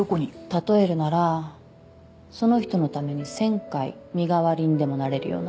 例えるならその人のために１０００回身代わりにでもなれるような？